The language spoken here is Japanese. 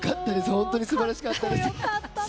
本当にすばらしかったです。